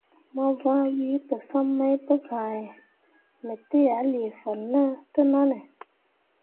Mo vãã we pəsam mai pəsãhe, me tə a lee fan ne təʼnanne.